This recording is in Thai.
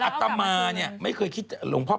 เอามาคืน๕๐ชุด